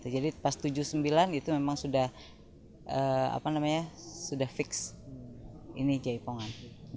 jadi pas seribu sembilan ratus tujuh puluh sembilan itu memang sudah fix ini jaipongan